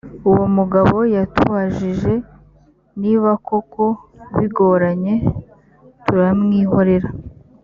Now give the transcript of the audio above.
uwo mugabo yatubajije nibakoko bigoranye turamwihorera.